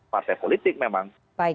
partai politik memang